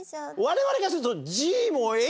我々からすると。